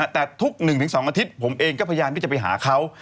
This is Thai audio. แต่ทุก๑๒อาทิตย์ผมเองก็พยายามที่จะไปหาเขา